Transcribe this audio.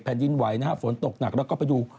แผ่นดินไว้นะฝนตกหนักแล้วก็ไปดู